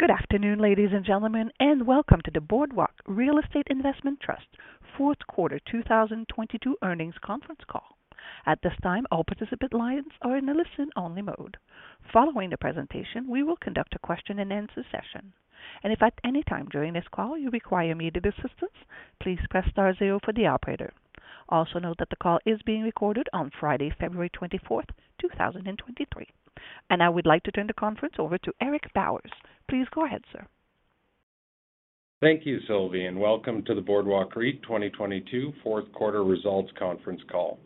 Good afternoon, ladies and gentlemen, and welcome to the Boardwalk Real Estate Investment Trust fourth quarter 2022 earnings conference call. At this time, all participant lines are in a listen only mode. Following the presentation, we will conduct a question and answer session. If at any time during this call you require immediate assistance, please press star zero for the operator. Also note that the call is being recorded on Friday, February 24th, 2023. I would like to turn the conference over to Eric Bowers. Please go ahead, sir. Thank you, Sylvie. Welcome to the Boardwalk REIT 2022 fourth quarter results conference call.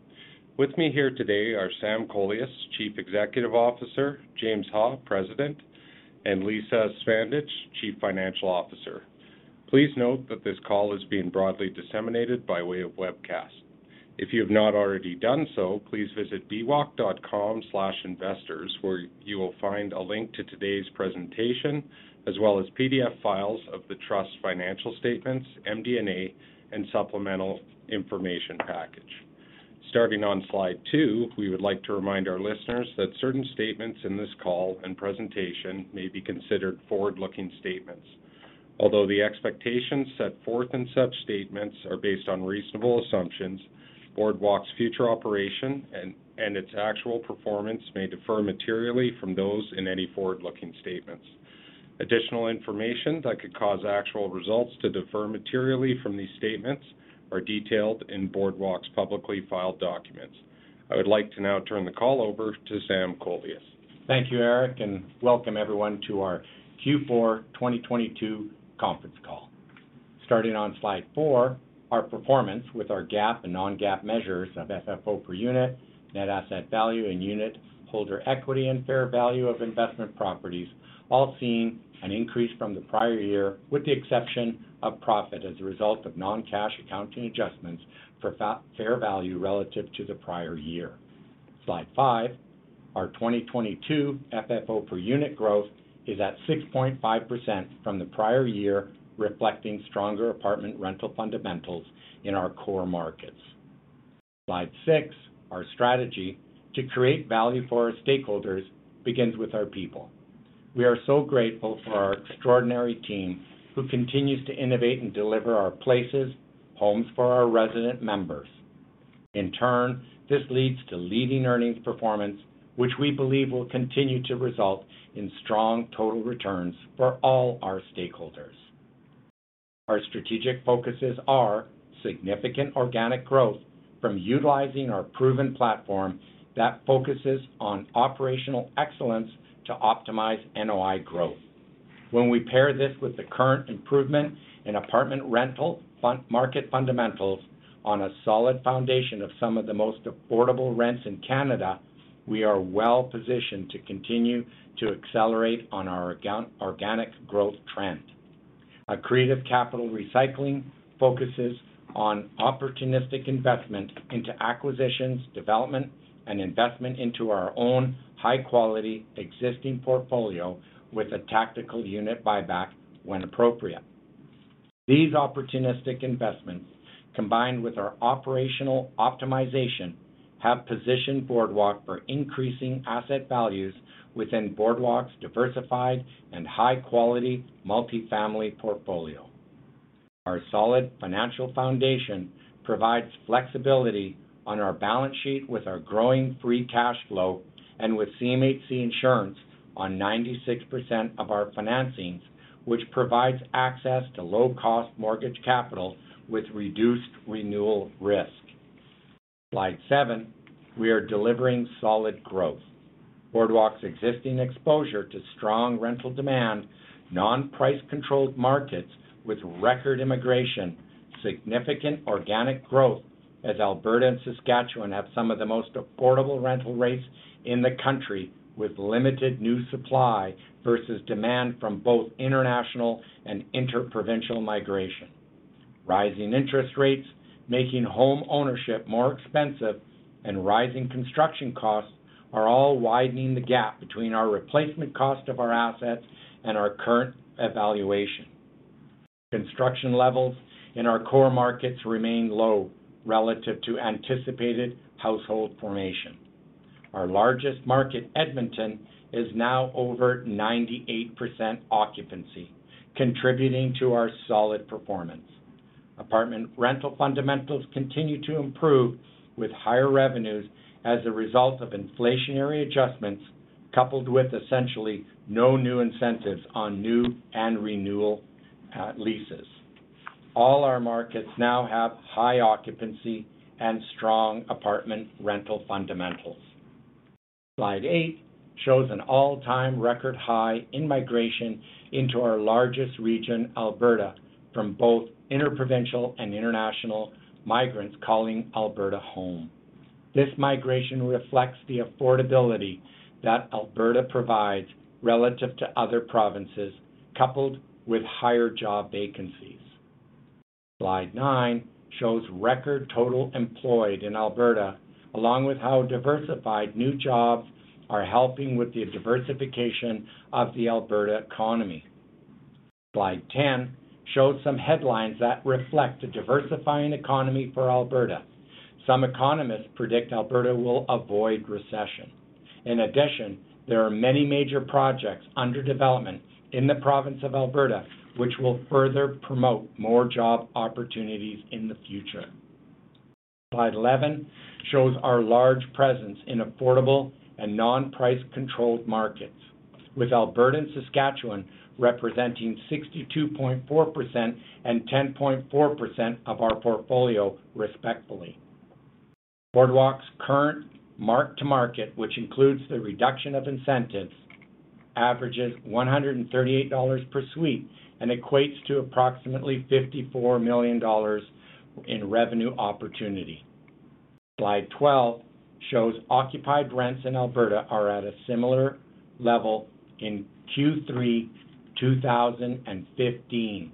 With me here today are Sam Kolias, Chief Executive Officer, James Ha, President, and Lisa Smandych, Chief Financial Officer. Please note that this call is being broadly disseminated by way of webcast. If you have not already done so, please visit bwalk.com/investors where you will find a link to today's presentation as well as PDF files of the Trust's financial statements, MD&A and supplemental information package. Starting on slide 2, we would like to remind our listeners that certain statements in this call and presentation may be considered forward-looking statements. Although the expectations set forth in such statements are based on reasonable assumptions, Boardwalk's future operation and its actual performance may defer materially from those in any forward-looking statements. Additional information that could cause actual results to defer materially from these statements are detailed in Boardwalk's publicly filed documents. I would like to now turn the call over to Sam Kolias. Thank you, Eric. Welcome everyone to our Q4 2022 conference call. Starting on slide 4, our performance with our GAAP and non-GAAP measures of FFO per unit, net asset value, and unitholder equity and fair value of investment properties, all seeing an increase from the prior year with the exception of profit as a result of non-cash accounting adjustments for fair value relative to the prior year. Slide 5, our 2022 FFO per unit growth is at 6.5% from the prior year, reflecting stronger apartment rental fundamentals in our core markets. Slide 6, our strategy to create value for our stakeholders begins with our people. We are so grateful for our extraordinary team who continues to innovate and deliver our places, homes for our resident members. In turn, this leads to leading earnings performance which we believe will continue to result in strong total returns for all our stakeholders. Our strategic focuses are significant organic growth from utilizing our proven platform that focuses on operational excellence to optimize NOI growth. When we pair this with the current improvement in apartment rental market fundamentals on a solid foundation of some of the most affordable rents in Canada, we are well positioned to continue to accelerate on our organic growth trend. Our creative capital recycling focuses on opportunistic investment into acquisitions, development and investment into our own high quality existing portfolio with a tactical unit buyback when appropriate. These opportunistic investments, combined with our operational optimization, have positioned Boardwalk for increasing asset values within Boardwalk's diversified and high quality multi-family portfolio. Our solid financial foundation provides flexibility on our balance sheet with our growing free cash flow and with CMHC insurance on 96% of our financings, which provides access to low cost mortgage capital with reduced renewal risk. Slide 7, we are delivering solid growth. Boardwalk's existing exposure to strong rental demand, non-price controlled markets with record immigration, significant organic growth as Alberta and Saskatchewan have some of the most affordable rental rates in the country with limited new supply versus demand from both international and interprovincial migration. Rising interest rates, making home ownership more expensive and rising construction costs are all widening the gap between our replacement cost of our assets and our current evaluation. Construction levels in our core markets remain low relative to anticipated household formation. Our largest market, Edmonton, is now over 98% occupancy, contributing to our solid performance. Apartment rental fundamentals continue to improve with higher revenues as a result of inflationary adjustments, coupled with essentially no new incentives on new and renewal leases. All our markets now have high occupancy and strong apartment rental fundamentals. Slide 8 shows an all-time record high in migration into our largest region, Alberta, from both interprovincial and international migrants calling Alberta home. This migration reflects the affordability that Alberta provides relative to other provinces, coupled with higher job vacancies. Slide 9 shows record total employed in Alberta, along with how diversified new jobs are helping with the diversification of the Alberta economy. Slide 10 shows some headlines that reflect the diversifying economy for Alberta. Some economists predict Alberta will avoid recession. There are many major projects under development in the province of Alberta, which will further promote more job opportunities in the future. Slide 11 shows our large presence in affordable and non-price-controlled markets, with Alberta and Saskatchewan representing 62.4% and 10.4% of our portfolio respectively. Boardwalk's current mark-to-market, which includes the reduction of incentives, averages 138 dollars per suite and equates to approximately 54 million dollars in revenue opportunity. Slide 12 shows occupied rents in Alberta are at a similar level in Q3 2015.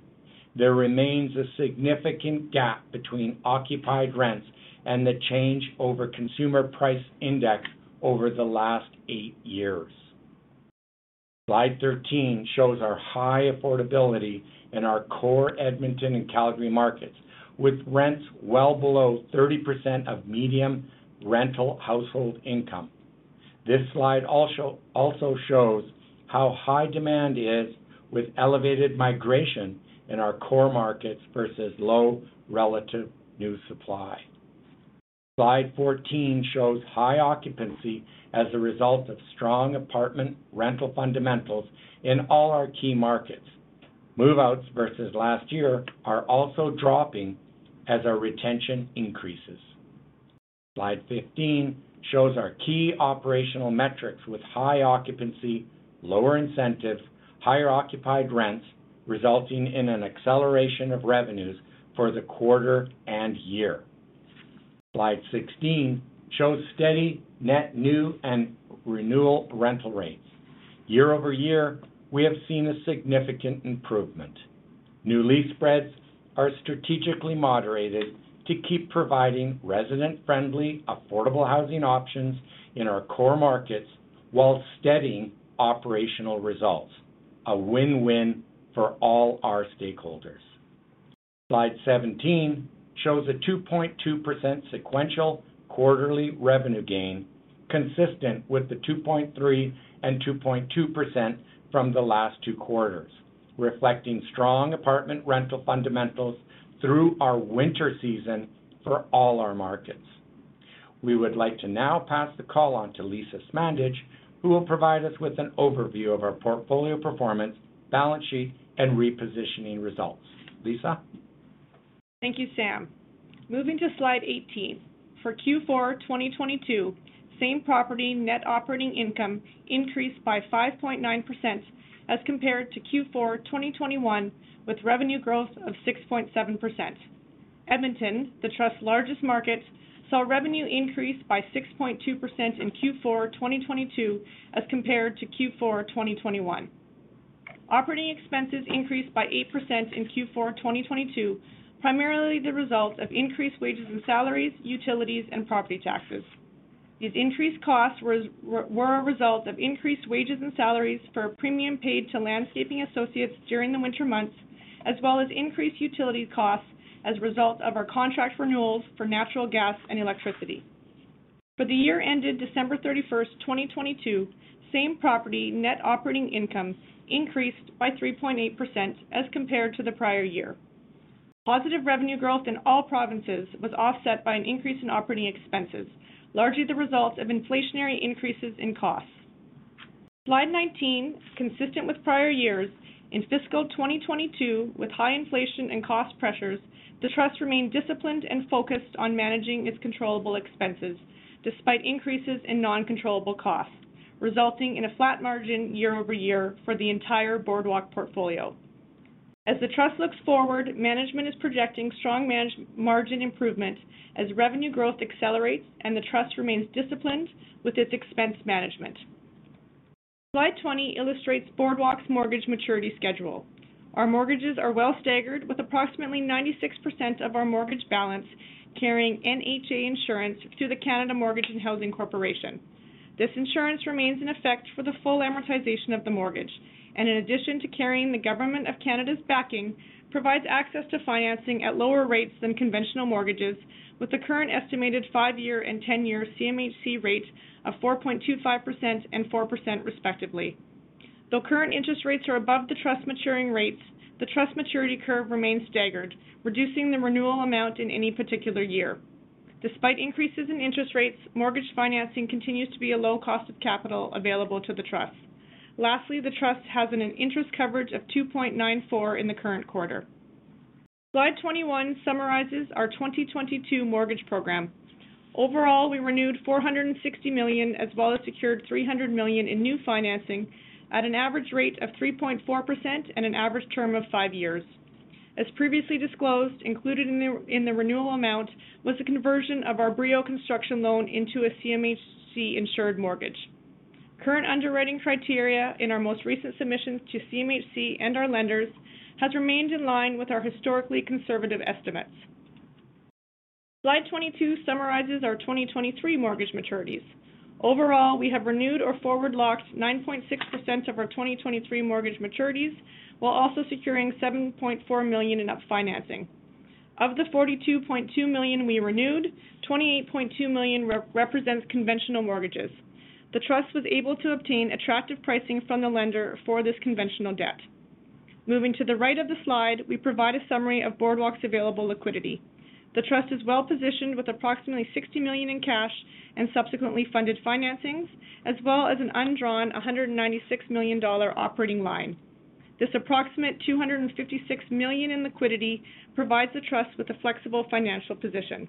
There remains a significant gap between occupied rents and the change over consumer price index over the last eight years. Slide 13 shows our high affordability in our core Edmonton and Calgary markets, with rents well below 30% of medium rental household income. This slide also shows how high demand is with elevated migration in our core markets versus low relative new supply. Slide 14 shows high occupancy as a result of strong apartment rental fundamentals in all our key markets. Move-outs versus last year are also dropping as our retention increases. Slide 15 shows our key operational metrics with high occupancy, lower incentives, higher occupied rents, resulting in an acceleration of revenues for the quarter and year. Slide 16 shows steady net new and renewal rental rates. Year-over-year, we have seen a significant improvement. New lease spreads are strategically moderated to keep providing resident-friendly, affordable housing options in our core markets while steadying operational results. A win-win for all our stakeholders. Slide 17 shows a 2.2% sequential quarterly revenue gain consistent with the 2.3 and 2.2% from the last two quarters, reflecting strong apartment rental fundamentals through our winter season for all our markets. We would like to now pass the call on to Lisa Smandych, who will provide us with an overview of our portfolio performance, balance sheet, and repositioning results. Lisa. Thank you, Sam. Moving to slide 18. For Q4 2022, same property net operating income increased by 5.9% as compared to Q4 2021, with revenue growth of 6.7%. Edmonton, the Trust's largest market, saw revenue increase by 6.2% in Q4 2022 as compared to Q4 2021. Operating expenses increased by 8% in Q4 2022, primarily the result of increased wages and salaries, utilities, and property taxes. These increased costs were a result of increased wages and salaries for a premium paid to landscaping associates during the winter months, as well as increased utility costs as a result of our contract renewals for natural gas and electricity. For the year ended December 31, 2022, same property net operating income increased by 3.8% as compared to the prior year. Positive revenue growth in all provinces was offset by an increase in operating expenses, largely the result of inflationary increases in costs. Slide 19, consistent with prior years, in fiscal 2022, with high inflation and cost pressures, the Trust remained disciplined and focused on managing its controllable expenses despite increases in non-controllable costs, resulting in a flat margin year-over-year for the entire Boardwalk portfolio. As the Trust looks forward, management is projecting strong margin improvement as revenue growth accelerates and the Trust remains disciplined with its expense management. Slide 20 illustrates Boardwalk's mortgage maturity schedule. Our mortgages are well staggered, with approximately 96% of our mortgage balance carrying NHA insurance through the Canada Mortgage and Housing Corporation. This insurance remains in effect for the full amortization of the mortgage, and in addition to carrying the Government of Canada's backing, provides access to financing at lower rates than conventional mortgages, with the current estimated 5-year and 10-year CMHC rate of 4.25% and 4% respectively. Though current interest rates are above the Trust's maturing rates, the Trust maturity curve remains staggered, reducing the renewal amount in any particular year. Despite increases in interest rates, mortgage financing continues to be a low cost of capital available to the Trust. Lastly, the Trust has an interest coverage of 2.94 in the current quarter. Slide 21 summarizes our 2022 mortgage program. Overall, we renewed 460 million, as well as secured 300 million in new financing at an average rate of 3.4% and an average term of 5 years. As previously disclosed, included in the renewal amount was the conversion of our Brio Construction loan into a CMHC-insured mortgage. Current underwriting criteria in our most recent submissions to CMHC and our lenders has remained in line with our historically conservative estimates. Slide 22 summarizes our 2023 mortgage maturities. Overall, we have renewed or forward locked 9.6% of our 2023 mortgage maturities, while also securing 7.4 million in up financing. Of the 42.2 million we renewed, 28.2 million re-represents conventional mortgages. The trust was able to obtain attractive pricing from the lender for this conventional debt. Moving to the right of the slide, we provide a summary of Boardwalk's available liquidity. The trust is well-positioned with approximately 60 million in cash and subsequently funded financings, as well as an undrawn 196 million dollar operating line. This approximate 256 million in liquidity provides the trust with a flexible financial position.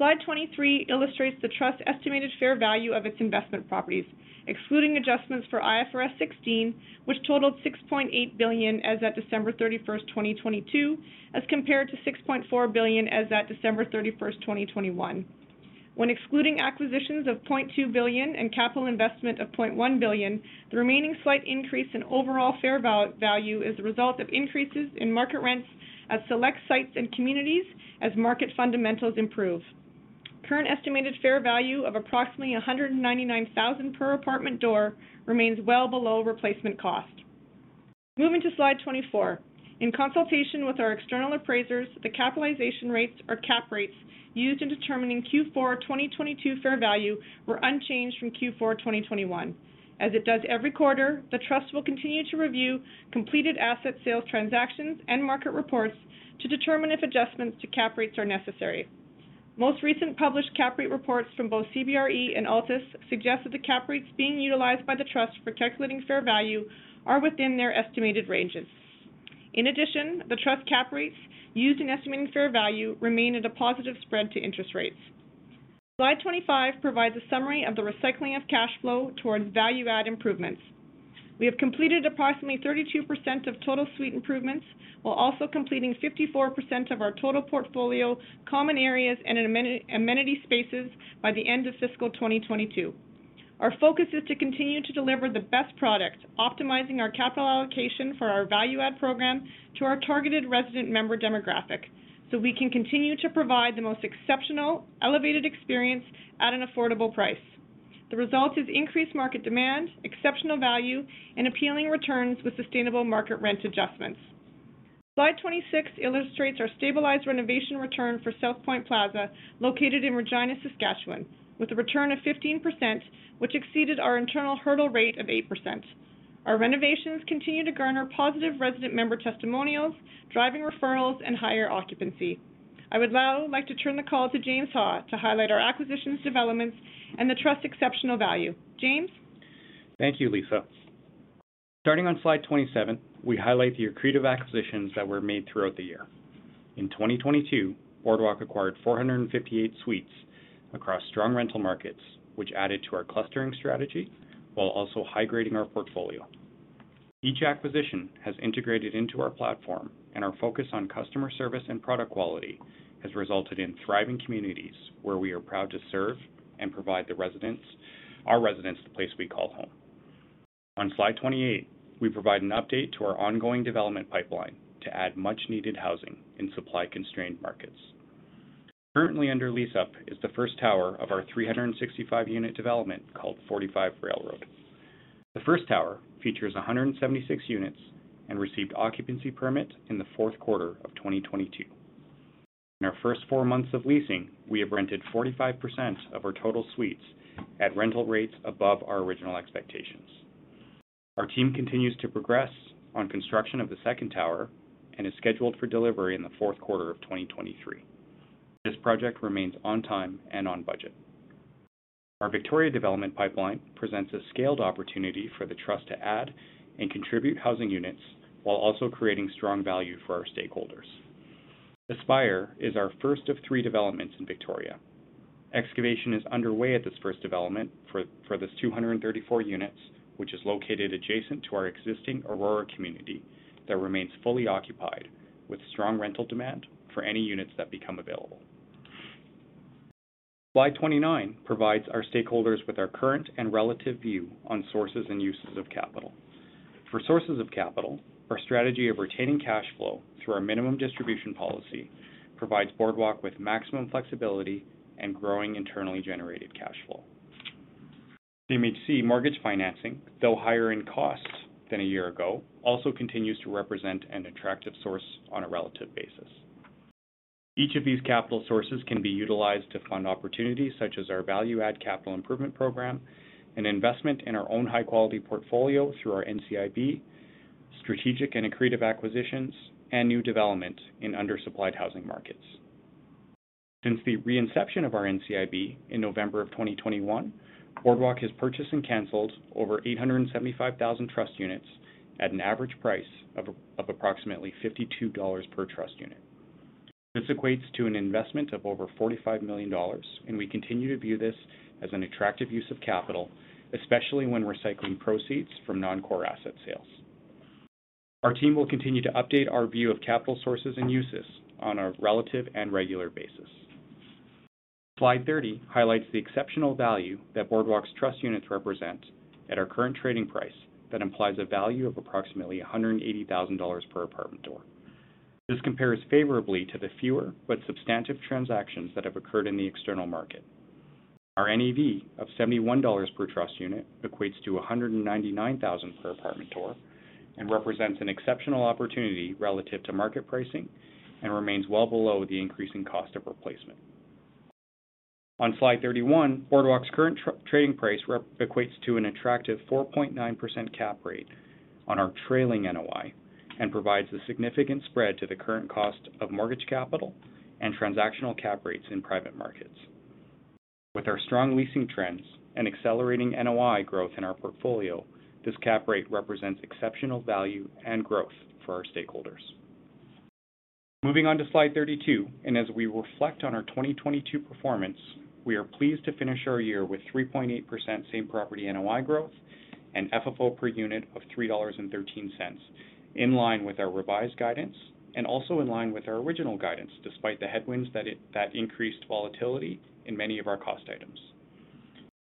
Slide 23 illustrates the trust estimated fair value of its investment properties, excluding adjustments for IFRS 16, which totaled 6.8 billion as at December 31st, 2022, as compared to 6.4 billion as at December 31st, 2021. When excluding acquisitions of 0.2 billion and capital investment of 0.1 billion, the remaining slight increase in overall fair value is a result of increases in market rents at select sites and communities as market fundamentals improve. Current estimated fair value of approximately 199,000 per apartment door remains well below replacement cost. Moving to slide 24. In consultation with our external appraisers, the capitalization rates or cap rates used in determining Q4, 2022 fair value were unchanged from Q4, 2021. As it does every quarter, the trust will continue to review completed asset sales transactions and market reports to determine if adjustments to cap rates are necessary. Most recent published cap rate reports from both CBRE and Altus suggest that the cap rates being utilized by the trust for calculating fair value are within their estimated ranges. The trust cap rates used in estimating fair value remain at a positive spread to interest rates. Slide 25 provides a summary of the recycling of cash flow towards value add improvements. We have completed approximately 32% of total suite improvements while also completing 54% of our total portfolio, common areas, and amenity spaces by the end of fiscal 2022. Our focus is to continue to deliver the best product, optimizing our capital allocation for our value add program to our targeted resident member demographic, so we can continue to provide the most exceptional, elevated experience at an affordable price. The result is increased market demand, exceptional value, and appealing returns with sustainable market rent adjustments. Slide 26 illustrates our stabilized renovation return for Southpointe Plaza, located in Regina, Saskatchewan, with a return of 15%, which exceeded our internal hurdle rate of 8%. Our renovations continue to garner positive resident member testimonials, driving referrals and higher occupancy. I would now like to turn the call to James Ha to highlight our acquisitions, developments, and the Trust exceptional value. James. Thank you, Lisa. Starting on slide 27, we highlight the accretive acquisitions that were made throughout the year. In 2022, Boardwalk acquired 458 suites across strong rental markets, which added to our clustering strategy while also high grading our portfolio. Each acquisition has integrated into our platform, and our focus on customer service and product quality has resulted in thriving communities where we are proud to serve and provide the residents, our residents the place we call home. On slide 28, we provide an update to our ongoing development pipeline to add much needed housing in supply constrained markets. Currently under lease up is the first tower of our 365 unit development called 45 Railroad. The first tower features 176 units and received occupancy permit in the fourth quarter of 2022. In our first 4 months of leasing, we have rented 45% of our total suites at rental rates above our original expectations. Our team continues to progress on construction of the second tower and is scheduled for delivery in the fourth quarter of 2023. This project remains on time and on budget. Our Victoria development pipeline presents a scaled opportunity for the trust to add and contribute housing units while also creating strong value for our stakeholders. Aspire is our first of 3 developments in Victoria. Excavation is underway at this first development for this 234 units, which is located adjacent to our existing Aurora community that remains fully occupied with strong rental demand for any units that become available. Slide 29 provides our stakeholders with our current and relative view on sources and uses of capital. For sources of capital, our strategy of retaining cash flow through our minimum distribution policy provides Boardwalk with maximum flexibility and growing internally generated cash flow. CMHC mortgage financing, though higher in cost than a year ago, also continues to represent an attractive source on a relative basis. Each of these capital sources can be utilized to fund opportunities such as our value add capital improvement program and investment in our own high quality portfolio through our NCIB, strategic and accretive acquisitions, and new development in undersupplied housing markets. Since the inception of our NCIB in November of 2021, Boardwalk has purchased and canceled over 875,000 trust units at an average price of approximately 52 dollars per trust unit. This equates to an investment of over 45 million dollars. We continue to view this as an attractive use of capital, especially when recycling proceeds from non-core asset sales. Our team will continue to update our view of capital sources and uses on a relative and regular basis. Slide 30 highlights the exceptional value that Boardwalk's trust units represent at our current trading price that implies a value of approximately 180,000 dollars per apartment door. This compares favorably to the fewer but substantive transactions that have occurred in the external market. Our NAV of 71 dollars per trust unit equates to 199,000 per apartment door and represents an exceptional opportunity relative to market pricing and remains well below the increasing cost of replacement. On slide 31, Boardwalk's current trading price equates to an attractive 4.9% cap rate on our trailing NOI and provides a significant spread to the current cost of mortgage capital and transactional cap rates in private markets. With our strong leasing trends and accelerating NOI growth in our portfolio, this cap rate represents exceptional value and growth for our stakeholders. Moving on to slide 32, as we reflect on our 2022 performance, we are pleased to finish our year with 3.8% same property NOI growth and FFO per unit of $3.13, in line with our revised guidance and also in line with our original guidance, despite the headwinds that increased volatility in many of our cost items.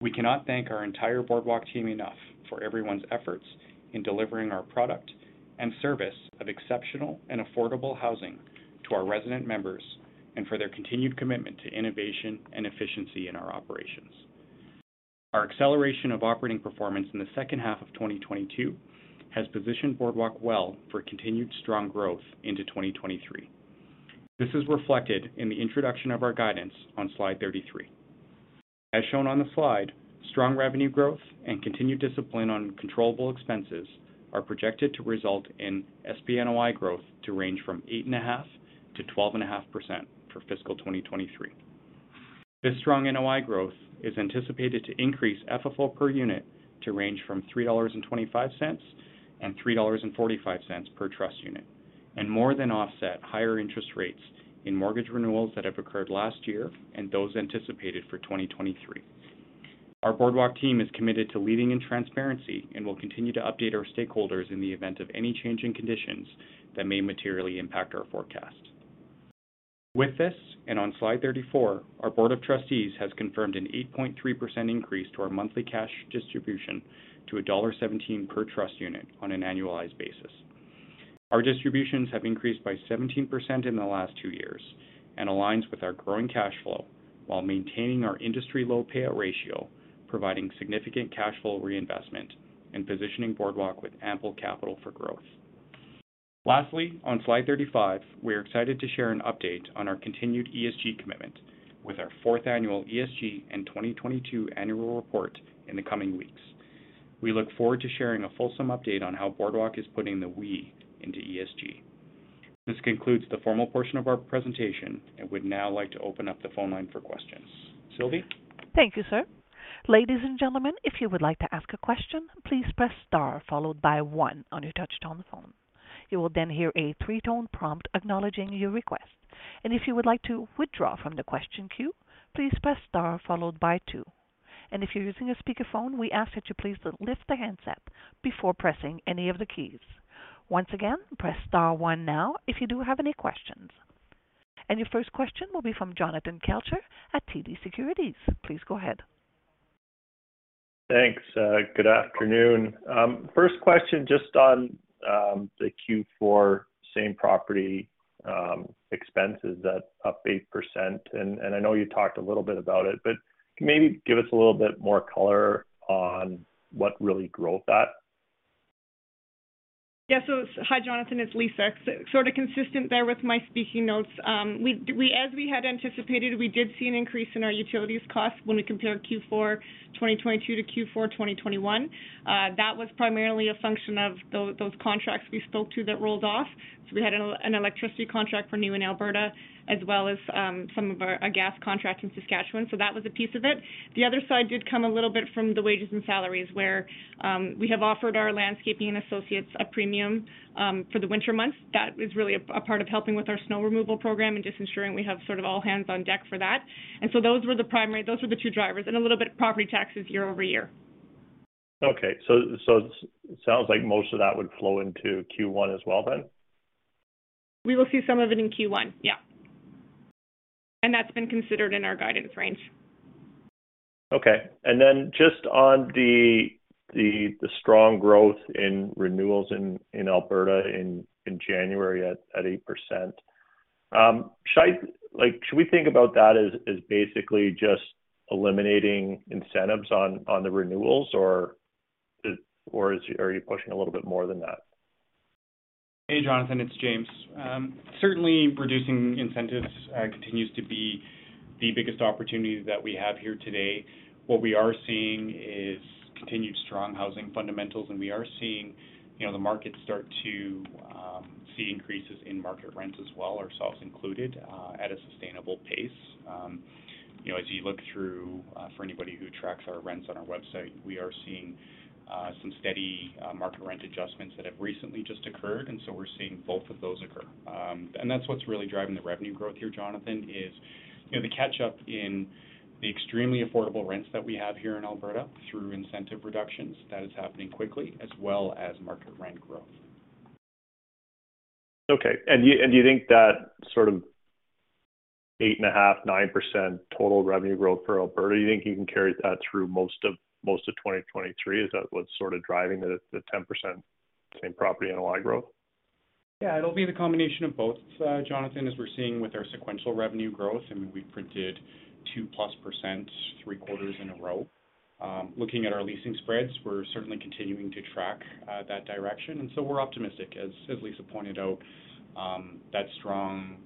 We cannot thank our entire Boardwalk team enough for everyone's efforts in delivering our product and service of exceptional and affordable housing to our resident members and for their continued commitment to innovation and efficiency in our operations. Our acceleration of operating performance in the second half of 2022 has positioned Boardwalk well for continued strong growth into 2023. This is reflected in the introduction of our guidance on slide 33. As shown on the slide, strong revenue growth and continued discipline on controllable expenses are projected to result in SPNOI growth to range from 8.5%-12.5% for fiscal 2023. This strong NOI growth is anticipated to increase FFO per unit to range from 3.25 dollars and 3.45 dollars per trust unit, and more than offset higher interest rates in mortgage renewals that have occurred last year and those anticipated for 2023. Our Boardwalk team is committed to leading in transparency and will continue to update our stakeholders in the event of any change in conditions that may materially impact our forecast. With this, on slide 34, our board of trustees has confirmed an 8.3% increase to our monthly cash distribution to dollar 1.17 per trust unit on an annualized basis. Our distributions have increased by 17% in the last two years and aligns with our growing cash flow while maintaining our industry low payout ratio, providing significant cash flow reinvestment and positioning Boardwalk with ample capital for growth. On slide 35, we're excited to share an update on our continued ESG commitment with our fourth annual ESG and 2022 annual report in the coming weeks. We look forward to sharing a fulsome update on how Boardwalk is putting the we into ESG. This concludes the formal portion of our presentation, would now like to open up the phone line for questions. Sylvie? Thank you, sir. Ladies and gentlemen, if you would like to ask a question, please press star 1 on your touchtone phone. You will then hear a three-tone prompt acknowledging your request. If you would like to withdraw from the question queue, please press star 2. If you're using a speakerphone, we ask that you please lift the handset before pressing any of the keys. Once again, press star 1 now if you do have any questions. Your first question will be from Jonathan Kelcher at TD Securities. Please go ahead. Thanks. Good afternoon. First question, just on the Q4 same property expenses that up 8%. I know you talked a little bit about it, but can you maybe give us a little bit more color on what really growth that? Hi, Jonathan, it's Lisa. Sort of consistent there with my speaking notes. As we had anticipated, we did see an increase in our utilities costs when we compared Q4 2022 to Q4 2021. That was primarily a function of those contracts we spoke to that rolled off. We had an electricity contract for new in Alberta as well as a gas contract in Saskatchewan. That was a piece of it. The other side did come a little bit from the wages and salaries where we have offered our landscaping and associates a premium for the winter months. That is really a part of helping with our snow removal program and just ensuring we have sort of all hands on deck for that. Those were the two drivers and a little bit of property taxes year-over-year. Okay. It sounds like most of that would flow into Q1 as well then? We will see some of it in Q1, yeah. That's been considered in our guidance range. Okay. Just on the strong growth in renewals in Alberta in January at 8%. like, should we think about that as basically just eliminating incentives on the renewals, or are you pushing a little bit more than that? Hey, Jonathan, it's James. Certainly reducing incentives continues to be the biggest opportunity that we have here today. What we are seeing is continued strong housing fundamentals. We are seeing, you know, the market start to see increases in market rents as well, ourselves included, at a sustainable pace. You know, as you look through for anybody who tracks our rents on our website, we are seeing some steady market rent adjustments that have recently just occurred. We're seeing both of those occur. That's what's really driving the revenue growth here, Jonathan, is, you know, the catch-up in the extremely affordable rents that we have here in Alberta through incentive reductions that is happening quickly, as well as market rent growth. Okay. Do you think that sort of 8.5%-9% total revenue growth for Alberta, do you think you can carry that through most of 2023? Is that what's sort of driving the 10% same property NOI growth? Yeah. It'll be the combination of both, Jonathan, as we're seeing with our sequential revenue growth. I mean, we printed 2%+ 3 quarters in a row. Looking at our leasing spreads, we're certainly continuing to track that direction, and so we're optimistic. As Lisa Smandych pointed out, that strong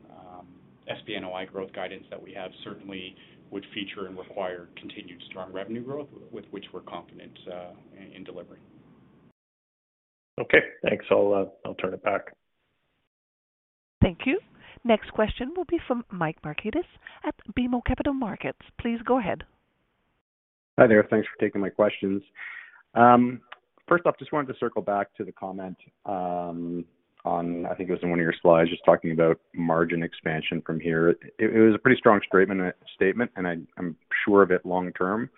SPNOI growth guidance that we have certainly would feature and require continued strong revenue growth with which we're confident in delivering. Okay, thanks. I'll turn it back. Thank you. Next question will be from Mike Markidis at BMO Capital Markets. Please go ahead. Hi there. Thanks for taking my questions. First off, just wanted to circle back to the comment, I think it was in one of your slides, just talking about margin expansion from here. It was a pretty strong statement, and I'm sure of it long term.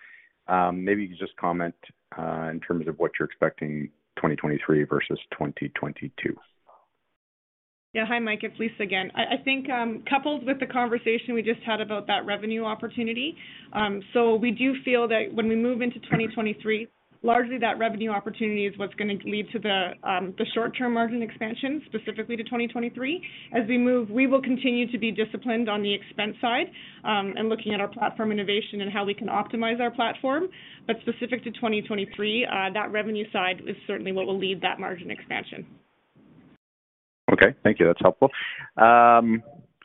Maybe you could just comment, in terms of what you're expecting 2023 versus 2022? Yeah. Hi, Mike. It's Lisa again. I think, coupled with the conversation we just had about that revenue opportunity, we do feel that when we move into 2023, largely that revenue opportunity is what's gonna lead to the short-term margin expansion, specifically to 2023. As we move, we will continue to be disciplined on the expense side, and looking at our platform innovation and how we can optimize our platform. Specific to 2023, that revenue side is certainly what will lead that margin expansion. Okay. Thank you. That's helpful.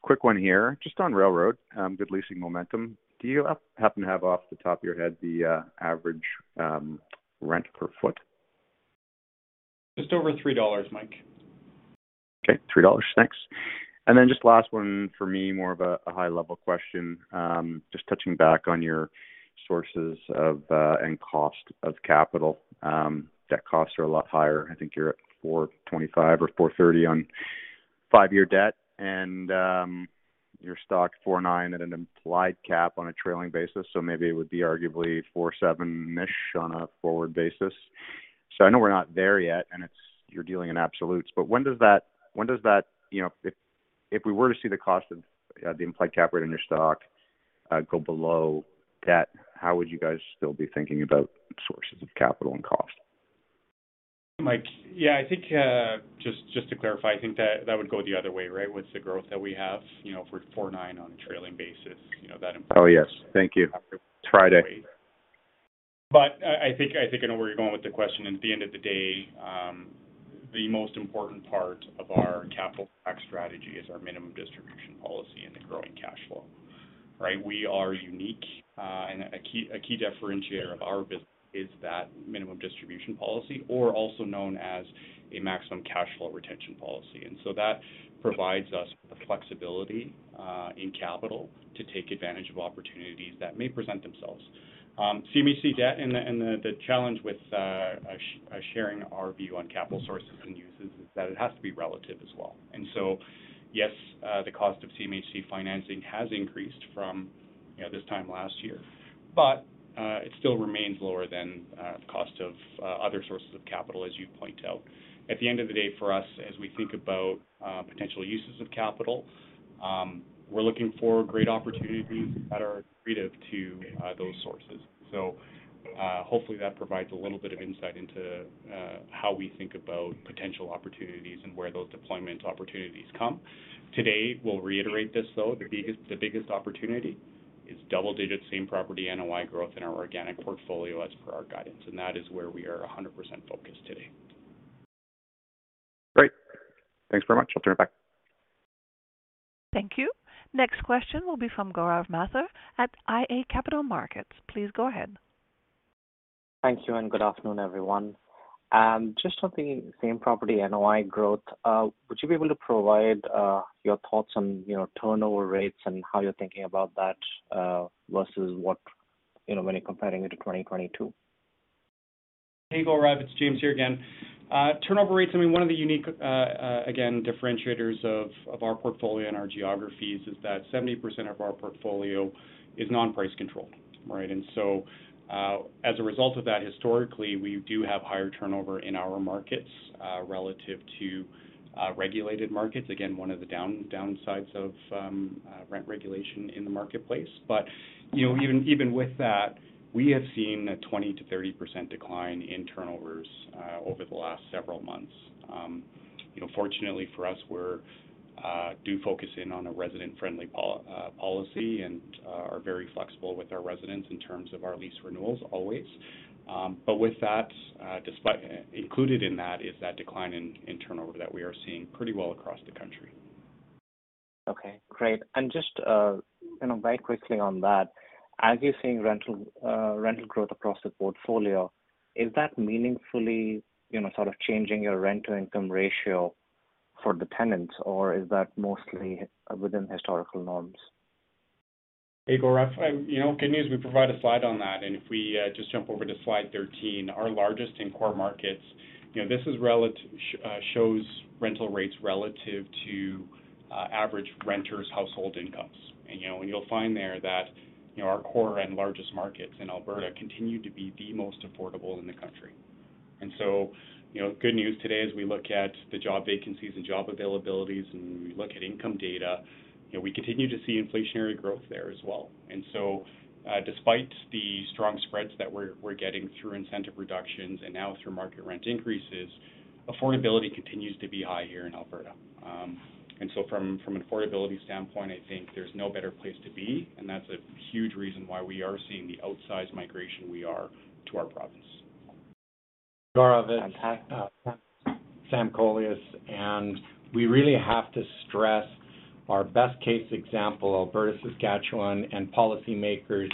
Quick one here. Just on Railroad, good leasing momentum. Do you happen to have off the top of your head the average rent per foot? Just over 3 dollars, Mike. Okay. 3 dollars. Thanks. Then just last one for me, more of a high-level question. Just touching back on your sources of and cost of capital. Debt costs are a lot higher. I think you're at 4.25% or 4.30% on 5-year debt, and your stock 4.9% at an implied cap on a trailing basis. Maybe it would be arguably 4.7%-ish on a forward basis. I know we're not there yet, and you're dealing in absolutes. When does that, you know, if we were to see the cost of the implied cap rate in your stock go below debt, how would you guys still be thinking about sources of capital and cost? Mike, yeah. I think, just to clarify, I think that would go the other way, right, with the growth that we have, you know, if we're 4.9% on a trailing basis, you know, that implies... Oh, yes. Thank you. Try to... I think I know where you're going with the question. At the end of the day, the most important part of our capital stack strategy is our minimum distribution policy and the growing cash flow. Right? We are unique, and a key differentiator of our business is that minimum distribution policy or also known as a maximum cash flow retention policy. That provides us the flexibility in capital to take advantage of opportunities that may present themselves. CMHC debt and the challenge with sharing our view on capital sources and uses is that it has to be relative as well. Yes, the cost of CMHC financing has increased from, you know, this time last year, but it still remains lower than the cost of other sources of capital, as you point out. At the end of the day, for us, as we think about potential uses of capital, we're looking for great opportunities that are accretive to those sources. Hopefully that provides a little bit of insight into how we think about potential opportunities and where those deployment opportunities come. Today, we'll reiterate this, though, the biggest opportunity is double-digit same property NOI growth in our organic portfolio as per our guidance, and that is where we are 100% focused today. Great. Thanks very much. I'll turn it back. Thank you. Next question will be from Gaurav Mathur at iA Capital Markets. Please go ahead. Thank you. Good afternoon, everyone. Just on the same property NOI growth, would you be able to provide your thoughts on, you know, turnover rates and how you're thinking about that versus what, you know, when you're comparing it to 2022? Hey, Gaurav. It's James here again. Turnover rates, I mean, one of the unique, again, differentiators of our portfolio and our geographies is that 70% of our portfolio is non-price controlled, right? As a result of that, historically, we do have higher turnover in our markets, relative to regulated markets. Again, one of the downsides of rent regulation in the marketplace. You know, even with that, we have seen a 20%-30% decline in turnovers over the last several months. You know, fortunately for us, we do focus in on a resident-friendly policy and are very flexible with our residents in terms of our lease renewals always. With that, Included in that is that decline in turnover that we are seeing pretty well across the country. Okay. Great. Just, you know, very quickly on that. As you're seeing rental growth across the portfolio, is that meaningfully, you know, sort of changing your rent to income ratio for the tenants, or is that mostly within historical norms? Hey, Gaurav. You know, good news, we provide a slide on that, if we just jump over to slide 13, our largest in core markets, you know, this shows rental rates relative to average renters household incomes. You know, you'll find there that, you know, our core and largest markets in Alberta continue to be the most affordable in the country. You know, good news today as we look at the job vacancies and job availabilities and we look at income data, you know, we continue to see inflationary growth there as well. Despite the strong spreads that we're getting through incentive reductions and now through market rent increases, affordability continues to be high here in Alberta. From, from an affordability standpoint, I think there's no better place to be, and that's a huge reason why we are seeing the outsized migration we are to our province. Gaurav, it's Sam Kolias, and we really have to stress our best case example. Alberta, Saskatchewan, and policymakers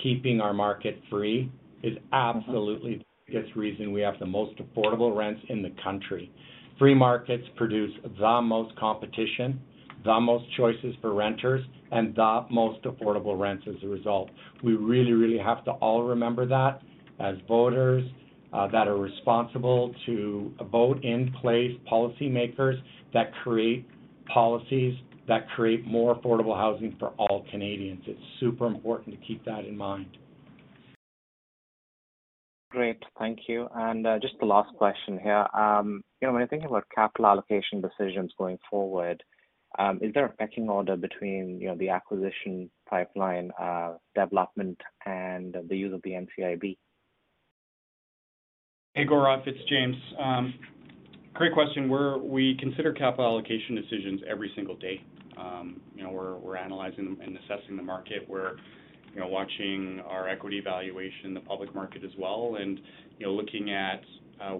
keeping our market free is absolutely the biggest reason we have the most affordable rents in the country. Free markets produce the most competition, the most choices for renters, and the most affordable rents as a result. We really, really have to all remember that as voters, that are responsible to vote in place policymakers that create policies that create more affordable housing for all Canadians. It's super important to keep that in mind. Great. Thank you. Just the last question here. You know, when I think about capital allocation decisions going forward, is there a pecking order between, you know, the acquisition pipeline, development and the use of the NCIB? Hey, Gaurav. It's James. Great question. We consider capital allocation decisions every single day. you know, we're analyzing and assessing the market. We're, you know, watching our equity valuation in the public market as well and, you know, looking at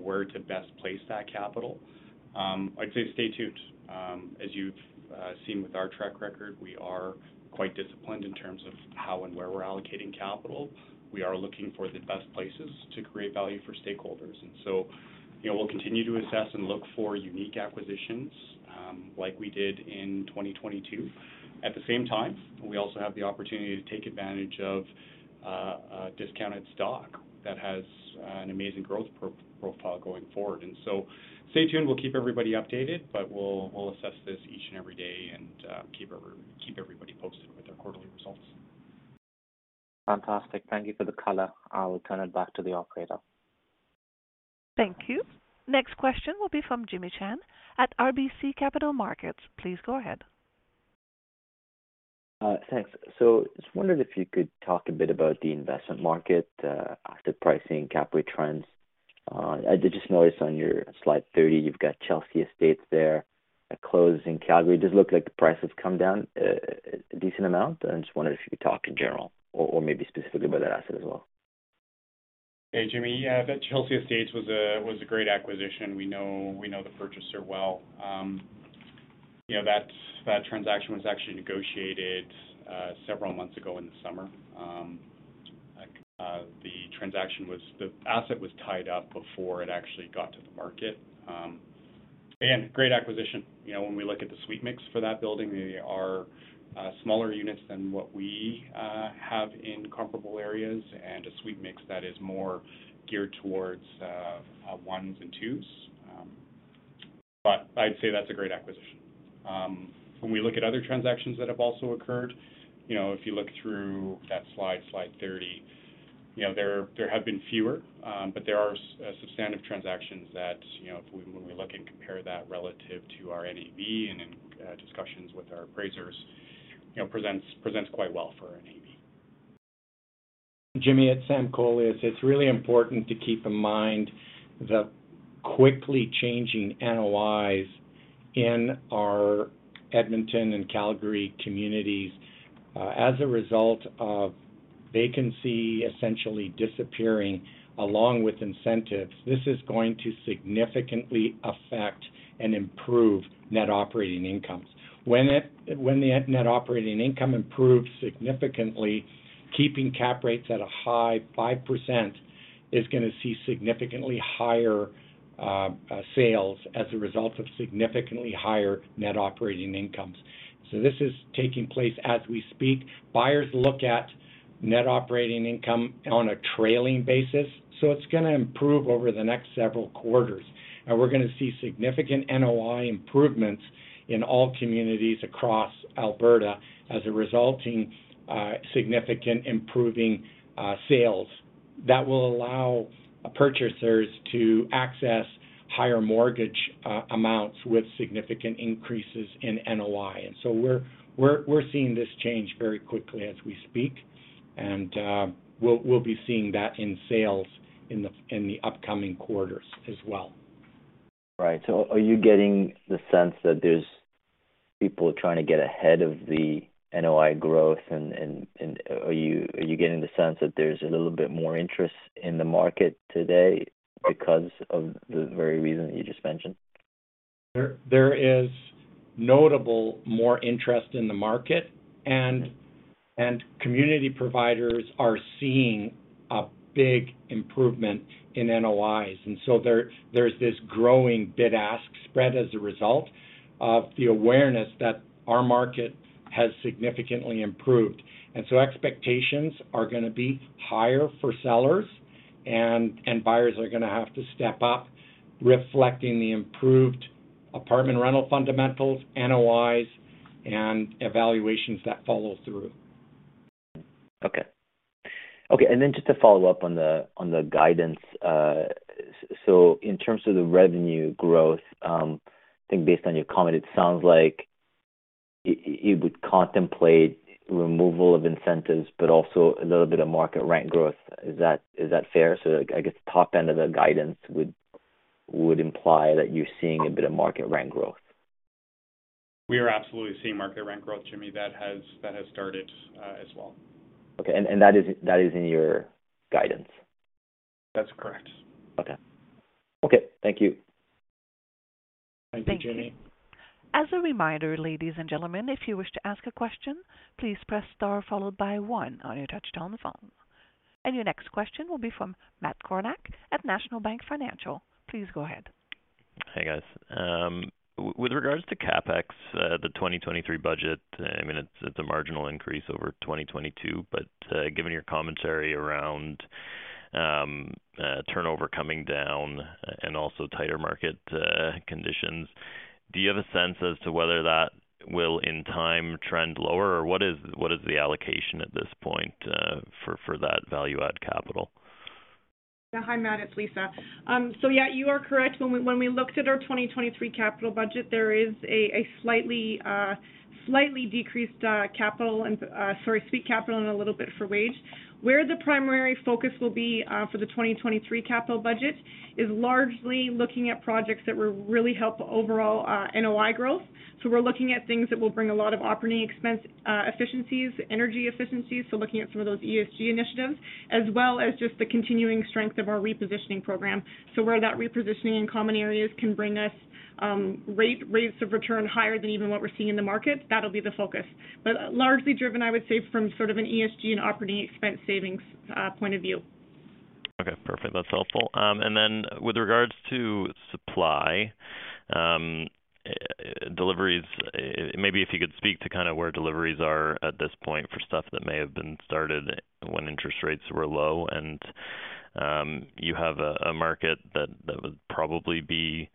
where to best place that capital. I'd say stay tuned. As you've seen with our track record, we are quite disciplined in terms of how and where we're allocating capital. We are looking for the best places to create value for stakeholders. you know, we'll continue to assess and look for unique acquisitions, like we did in 2022. At the same time, we also have the opportunity to take advantage of discounted stock that has an amazing growth pro-profile going forward. Stay tuned, we'll keep everybody updated, but we'll assess this each and every day and keep everybody posted with our quarterly results. Fantastic. Thank you for the color. I will turn it back to the operator. Thank you. Next question will be from Jimmy Shan at RBC Capital Markets. Please go ahead. Thanks. Just wondered if you could talk a bit about the investment market after pricing cap rate trends. I did just notice on your slide 30, you've got Chelsea Estates there, a close in Calgary. Does look like the price has come down a decent amount. I just wondered if you could talk in general or maybe specifically about that asset as well. Hey, Jimmy. Yeah, that Chelsea Estates was a great acquisition. We know the purchaser well. You know, that transaction was actually negotiated several months ago in the summer. The asset was tied up before it actually got to the market. Again, great acquisition. You know, when we look at the suite mix for that building, they are smaller units than what we have in comparable areas and a suite mix that is more geared towards ones and twos. I'd say that's a great acquisition. When we look at other transactions that have also occurred, you know, if you look through that slide 30, you know, there have been fewer, but there are substantive transactions that, you know, when we look and compare that relative to our NAV and in discussions with our appraisers, you know, presents quite well for NAV. Jimmy, it's Sam Kolias. It's really important to keep in mind the quickly changing NOIs in our Edmonton and Calgary communities. As a result of vacancy essentially disappearing along with incentives, this is going to significantly affect and improve net operating incomes. When the net operating income improves significantly, keeping cap rates at a high 5% is going to see significantly higher sales as a result of significantly higher net operating incomes. This is taking place as we speak. Buyers look at net operating income on a trailing basis, it's going to improve over the next several quarters. We're going to see significant NOI improvements in all communities across Alberta as a resulting significant improving sales that will allow purchasers to access higher mortgage amounts with significant increases in NOI. We're seeing this change very quickly as we speak, and we'll be seeing that in sales in the upcoming quarters as well. Right. Are you getting the sense that there's people trying to get ahead of the NOI growth and are you getting the sense that there's a little bit more interest in the market today because of the very reason you just mentioned? There is notable more interest in the market and community providers are seeing a big improvement in NOIs. There's this growing bid-ask spread as a result of the awareness that our market has significantly improved. Expectations are gonna be higher for sellers. Buyers are gonna have to step up reflecting the improved apartment rental fundamentals, NOIs, and evaluations that follow through. Okay. Okay. Just to follow up on the, on the guidance. In terms of the revenue growth, I think based on your comment, it sounds like you would contemplate removal of incentives, but also a little bit of market rent growth. Is that fair? I guess top end of the guidance would imply that you're seeing a bit of market rent growth. We are absolutely seeing market rent growth, Jimmy. That has started as well. Okay. That is in your guidance? That's correct. Okay. Okay. Thank you. Thank you, Jimmy. Thank you. As a reminder, ladies and gentlemen, if you wish to ask a question, please press star followed by one on your touchtone phone. Your next question will be from Matt Kornack at National Bank Financial. Please go ahead. Hey, guys. With regards to CapEx, the 2023 budget, I mean, it's a marginal increase over 2022. Given your commentary around turnover coming down and also tighter market conditions, do you have a sense as to whether that will in time trend lower? What is the allocation at this point for that value add capital? Hi, Matt Kornack, it's Lisa Smandych. You are correct. When we looked at our 2023 capital budget, there is a slightly decreased capital and sorry, speak capital and a little bit for wage. Where the primary focus will be for the 2023 capital budget is largely looking at projects that will really help overall NOI growth. We're looking at things that will bring a lot of operating expense efficiencies, energy efficiencies, looking at some of those ESG initiatives, as well as just the continuing strength of our repositioning program. Where that repositioning in common areas can bring us rates of return higher than even what we're seeing in the market, that'll be the focus. Largely driven, I would say, from sort of an ESG and operating expense savings point of view. Okay. Perfect. That's helpful. Then with regards to supply, deliveries, maybe if you could speak to kind of where deliveries are at this point for stuff that may have been started when interest rates were low and, you have a market that would probably be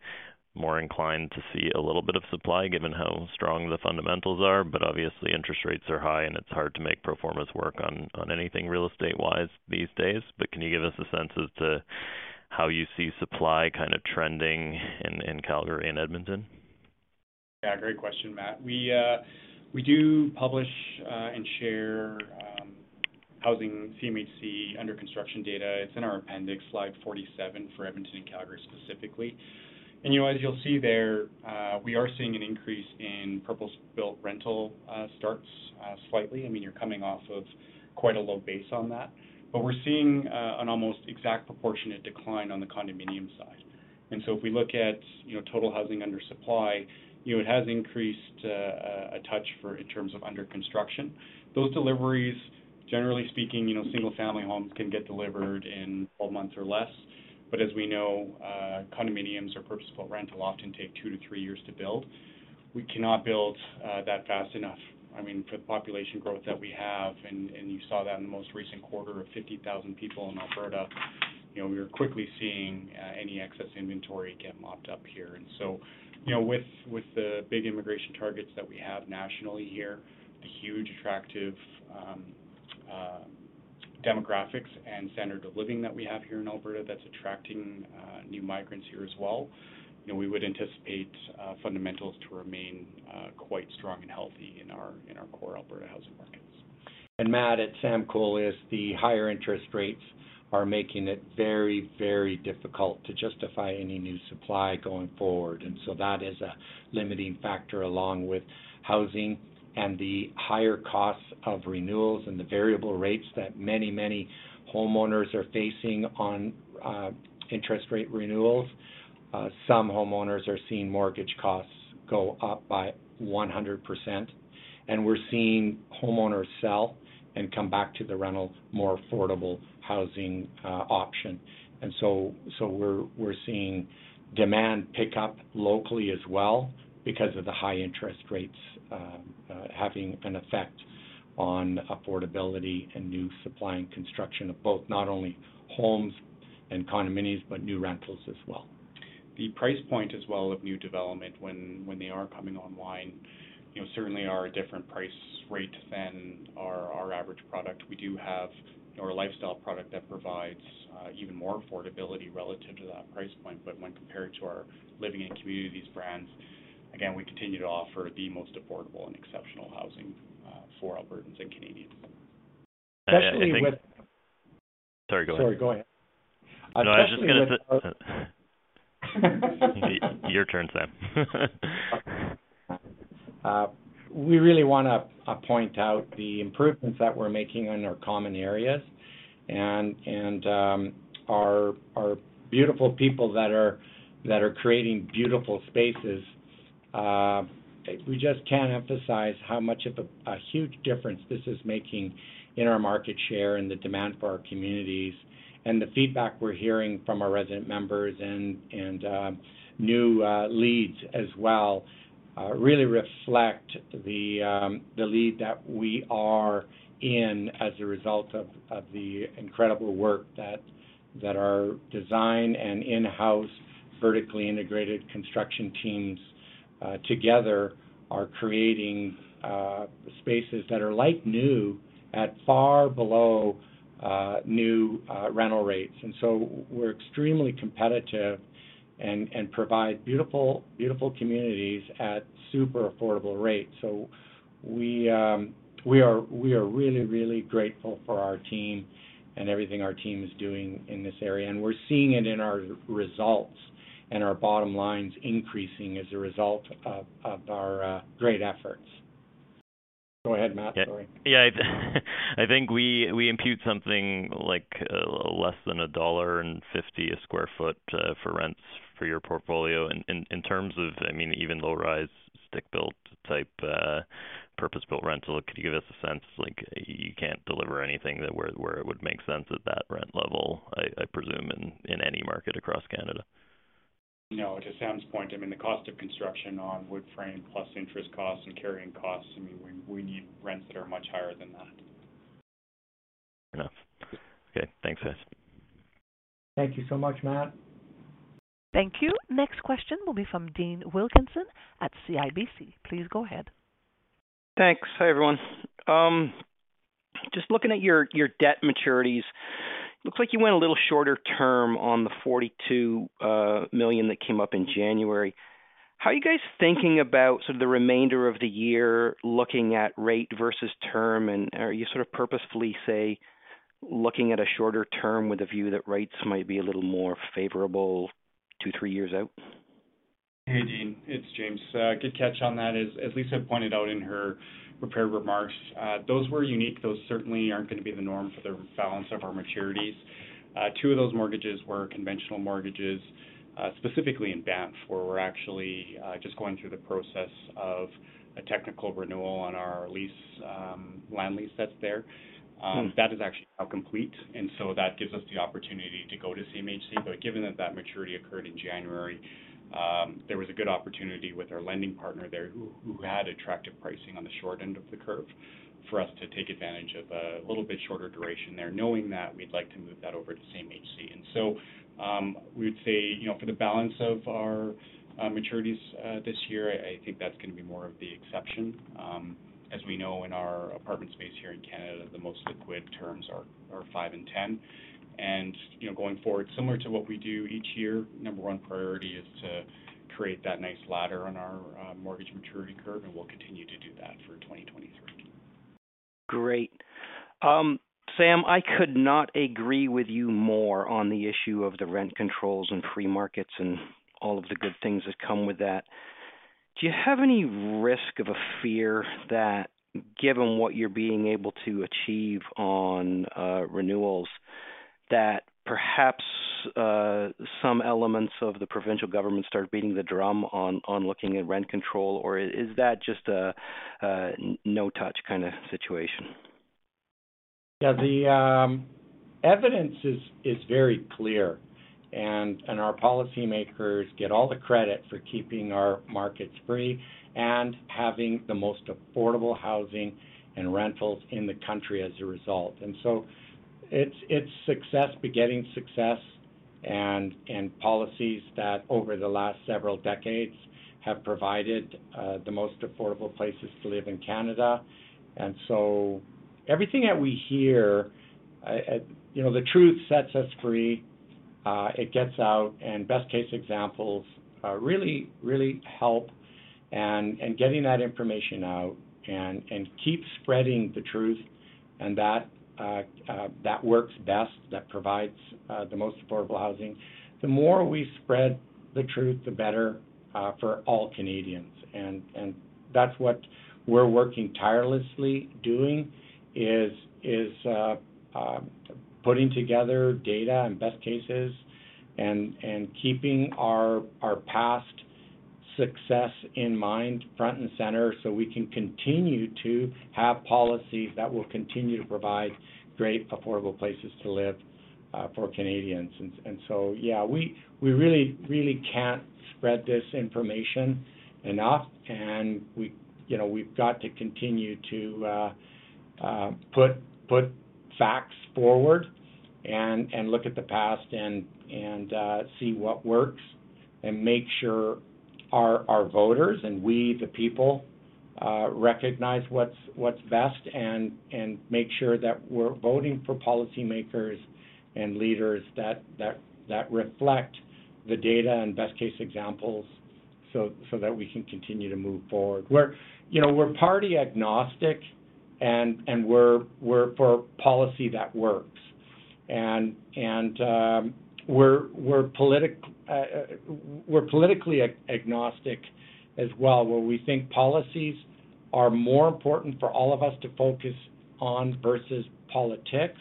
more inclined to see a little bit of supply given how strong the fundamentals are. Obviously, interest rates are high, and it's hard to make pro formas work on anything real estate-wise these days. Can you give us a sense as to how you see supply kind of trending in Calgary and Edmonton? Great question, Matt. We do publish and share housing CMHC under construction data. It's in our appendix, slide 47, for Edmonton and Calgary specifically. You know, as you'll see there, we are seeing an increase in purpose-built rental starts slightly. I mean, you're coming off of quite a low base on that. We're seeing an almost exact proportionate decline on the condominium side. If we look at, you know, total housing under supply, you know, it has increased a touch for in terms of under construction. Those deliveries, generally speaking, you know, single-family homes can get delivered in 12 months or less. As we know, condominiums or purpose-built rental often take 2 to 3 years to build. We cannot build that fast enough. I mean, for the population growth that we have, and you saw that in the most recent quarter of 50,000 people in Alberta, you know, we are quickly seeing any excess inventory get mopped up here. You know, with the big immigration targets that we have nationally here, the huge attractive demographics and standard of living that we have here in Alberta that's attracting new migrants here as well, you know, we would anticipate fundamentals to remain quite strong and healthy in our core Alberta housing markets. Matt, it's Sam Kolias. As the higher interest rates are making it very, very difficult to justify any new supply going forward. That is a limiting factor along with housing and the higher costs of renewals and the variable rates that many, many homeowners are facing on interest rate renewals. Some homeowners are seeing mortgage costs go up by 100%. We're seeing homeowners sell and come back to the rental more affordable housing, option. So we're seeing demand pick up locally as well because of the high interest rates, having an effect on affordability and new supply and construction of both, not only homes and condominiums, but new rentals as well. The price point as well of new development when they are coming online, you know, certainly are a different price rate than our average product. We do have our Lifestyle product that provides even more affordability relative to that price point. When compared to our Living and Communities brands, again, we continue to offer the most affordable and exceptional housing for Albertans and Canadians. I think. Especially. Sorry, go ahead. Sorry, go ahead. Your turn, Sam. We really wanna point out the improvements that we're making in our common areas and our beautiful people that are creating beautiful spaces. We just can't emphasize how much of a huge difference this is making in our market share and the demand for our communities. The feedback we're hearing from our resident members and new leads as well really reflect the lead that we are in as a result of the incredible work that our design and in-house vertically integrated construction teams together are creating spaces that are like new at far below new rental rates. We're extremely competitive and provide beautiful communities at super affordable rates. We are really, really grateful for our team and everything our team is doing in this area. We're seeing it in our results and our bottom lines increasing as a result of our great efforts. Go ahead, Matt. Sorry. I think we impute something like less than $1.50 a sq ft for rents for your portfolio. In terms of, I mean, even low-rise stick-built type, purpose-built rental, could you give us a sense like you can't deliver anything that where it would make sense at that rent level, I presume in any market across Canada? No. To Sam's point, I mean, the cost of construction on wood frame plus interest costs and carrying costs, I mean, we need rents that are much higher than that. Enough. Okay. Thanks, guys. Thank you so much, Matt. Thank you. Next question will be from Dean Wilkinson at CIBC. Please go ahead. Thanks. Hi, everyone. just looking at your debt maturities, looks like you went a little shorter term on the 42 million that came up in January. How are you guys thinking about sort of the remainder of the year looking at rate versus term, and are you sort of purposefully, say, looking at a shorter term with a view that rates might be a little more favorable 2, 3 years out? Hey, Dean, it's James. Good catch on that. As Lisa pointed out in her prepared remarks, those were unique. Those certainly aren't gonna be the norm for the balance of our maturities. Two of those mortgages were conventional mortgages, specifically in Banff, where we're actually just going through the process of a technical renewal on our lease, land lease that's there. That is actually now complete, that gives us the opportunity to go to CMHC. Given that that maturity occurred in January, there was a good opportunity with our lending partner there who had attractive pricing on the short end of the curve for us to take advantage of a little bit shorter duration there. Knowing that we'd like to move that over to CMHC. We would say, you know, for the balance of our maturities this year, I think that's gonna be more of the exception. As we know in our apartment space here in Canada, the most liquid terms are 5 and 10. You know, going forward, similar to what we do each year, number 1 priority is to create that nice ladder on our mortgage maturity curve, and we'll continue to do that for 2023. Great. Sam, I could not agree with you more on the issue of the rent controls and free markets and all of the good things that come with that. Do you have any risk of a fear that given what you're being able to achieve on renewals that perhaps some elements of the provincial government start beating the drum on looking at rent control? Or is that just a no touch kinda situation? Yeah. The evidence is very clear and our policymakers get all the credit for keeping our markets free and having the most affordable housing and rentals in the country as a result. It's success begetting success and policies that over the last several decades have provided the most affordable places to live in Canada. Everything that we hear, you know, the truth sets us free. It gets out, and best case examples really help and getting that information out and keep spreading the truth and that that works best, that provides the most affordable housing. The more we spread the truth, the better for all Canadians. That's what we're working tirelessly doing is putting together data and best cases and keeping our past success in mind front and center so we can continue to have policies that will continue to provide great affordable places to live for Canadians. Yeah, we really can't spread this information enough and we, you know, we've got to continue to put facts forward and look at the past and see what works and make sure our voters and we, the people, recognize what's best and make sure that we're voting for policymakers and leaders that reflect the data and best case examples so that we can continue to move forward. We're, you know, we're party agnostic, and we're for policy that works. We're politically agnostic as well, where we think policies are more important for all of us to focus on versus politics.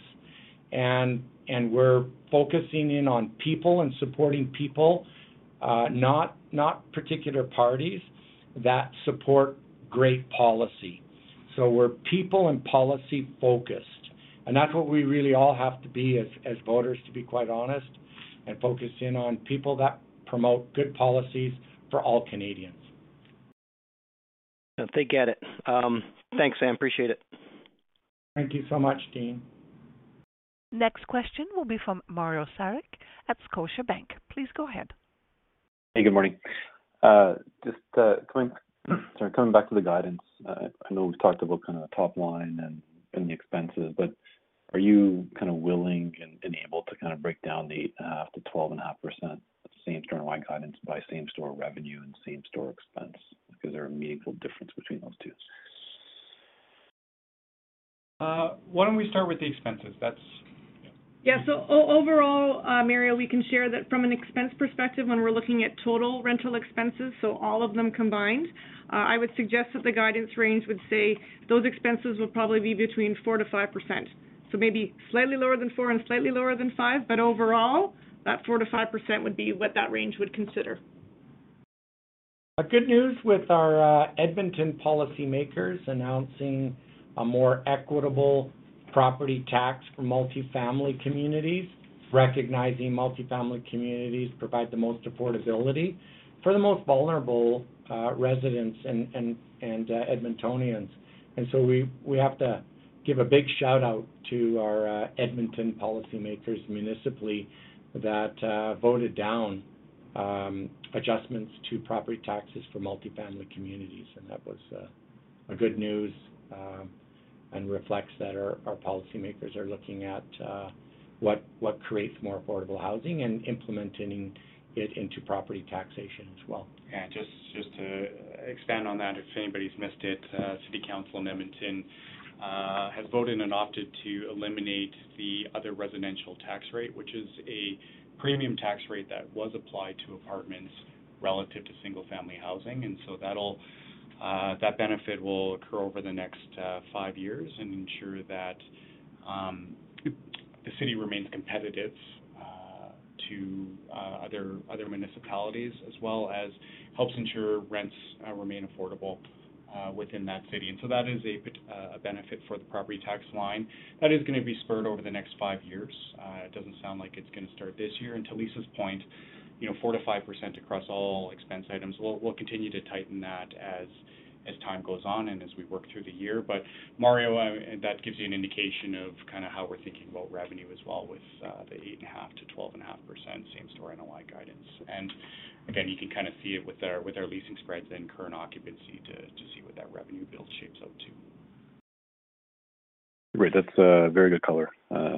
We're focusing in on people and supporting people, not particular parties that support great policy. We're people and policy-focused, and that's what we really all have to be as voters, to be quite honest, and focus in on people that promote good policies for all Canadians. They get it. Thanks, Sam. Appreciate it. Thank you so much, Dean. Next question will be from Mario Saric at Scotiabank. Please go ahead. Hey, good morning. Sorry, coming back to the guidance. I know we've talked about kind of top line and the expenses, but are you kind of willing and able to kind of break down the 12.5% same-store NOI guidance by same-store revenue and same-store expense? Because they're a meaningful difference between those 2. Why don't we start with the expenses? Yeah. Overall, Mario, we can share that from an expense perspective when we're looking at total rental expenses, so all of them combined, I would suggest that the guidance range would say those expenses would probably be between 4%-5%. Maybe slightly lower than 4 and slightly lower than 5, but overall, that 4%-5% would be what that range would consider. Good news with our Edmonton policymakers announcing a more equitable property tax for multifamily communities, recognizing multifamily communities provide the most affordability for the most vulnerable residents and Edmontonians. We have to give a big shout-out to our Edmonton policymakers, municipally, that voted down adjustments to property taxes for multifamily communities. That was a good news and reflects that our policymakers are looking at what creates more affordable housing and implementing it into property taxation as well. Yeah, just to expand on that, if anybody's missed it, city council in Edmonton has voted and opted to eliminate the other residential tax rate, which is a premium tax rate that was applied to apartments relative to single-family housing. That'll, that benefit will occur over the next five years and ensure that the city remains competitive to other municipalities as well as helps ensure rents remain affordable within that city. That is a benefit for the property tax line. That is gonna be spurred over the next five years. It doesn't sound like it's gonna start this year. To Lisa's point, you know, 4%-5% across all expense items. We'll continue to tighten that as time goes on and as we work through the year. Mario, that gives you an indication of kind of how we're thinking about revenue as well with the 8.5%-12.5% same-store NOI guidance. Again, you can kind of see it with our, with our leasing spreads and current occupancy to see what that revenue build shapes up to. Great. That's a very good color.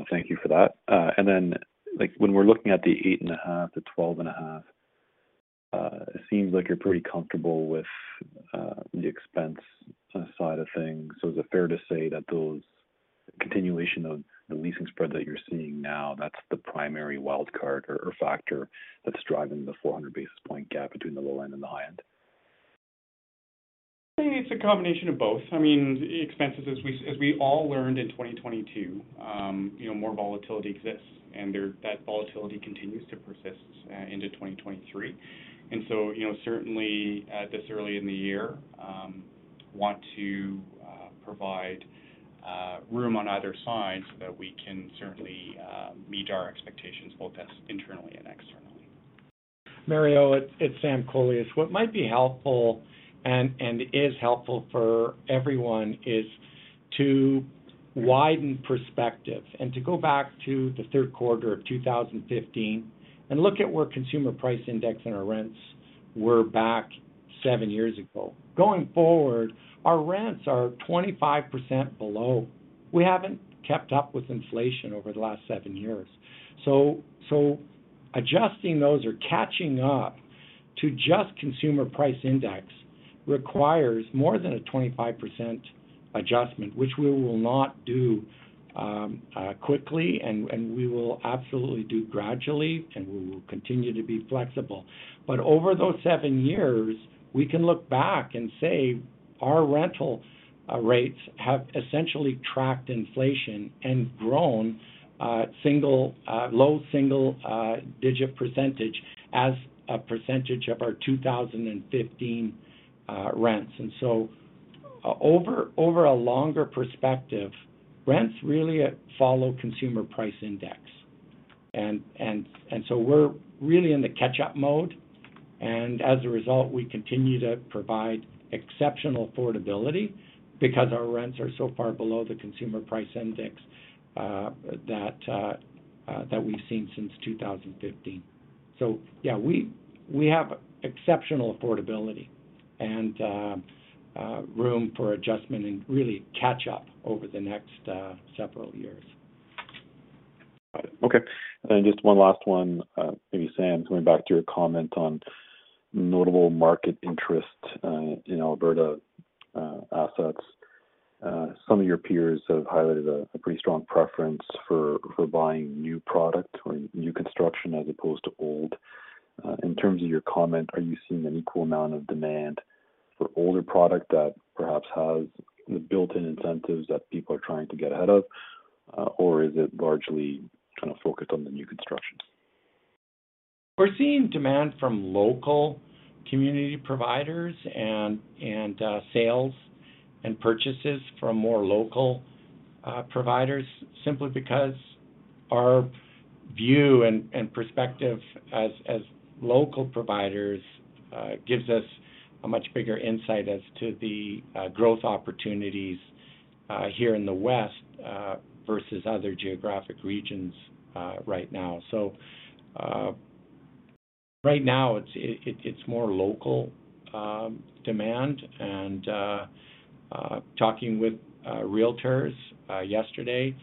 Thank you for that. Like, when we're looking at the 8.5%-12.5%, it seems like you're pretty comfortable with the expense side of things. Is it fair to say that those continuation of the leasing spread that you're seeing now, that's the primary wild card or factor that's driving the 400 basis point gap between the low end and the high end? It's a combination of both. I mean, expenses, as we all learned in 2022, you know, more volatility exists, and there, that volatility continues to persist into 2023. You know, certainly, this early in the year, want to provide room on either side so that we can certainly meet our expectations, both as internally and externally. Mario, it's Sam Kolias. What might be helpful and is helpful for everyone is to widen perspective and to go back to the third quarter of 2015 and look at where Consumer Price Index and our rents were back 7 years ago. Going forward, our rents are 25% below. We haven't kept up with inflation over the last 7 years. Adjusting those or catching up to just Consumer Price Index requires more than a 25% adjustment, which we will not do quickly, and we will absolutely do gradually, and we will continue to be flexible. Over those 7 years, we can look back and say our rental rates have essentially tracked inflation and grown single low single-digit percentage as a percentage of our 2015 rents. Over a longer perspective, rents really follow consumer price index. We're really in the catch-up mode. As a result, we continue to provide exceptional affordability because our rents are so far below the consumer price index that we've seen since 2015. Yeah, we have exceptional affordability and room for adjustment and really catch up over the next several years. Got it. Okay. Just one last one, maybe Sam, going back to your comment on notable market interest in Alberta assets. Some of your peers have highlighted a pretty strong preference for buying new product or new construction as opposed to old. In terms of your comment, are you seeing an equal amount of demand for older product that perhaps has the built-in incentives that people are trying to get ahead of? Is it largely kind of focused on the new construction? We're seeing demand from local community providers and sales and purchases from more local providers simply because our view and perspective as local providers gives us a much bigger insight as to the growth opportunities here in the West versus other geographic regions right now. Right now it's more local demand. Talking with realtors yesterday,